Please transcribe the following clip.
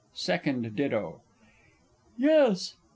SECOND DITTO. Yes.